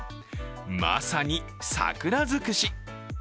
まさに、桜尽くし。